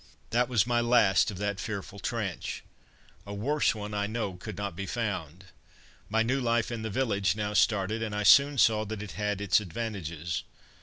That was my last of that fearful trench. A worse one I know could not be found. My new life in the village now started, and I soon saw that it had its advantages.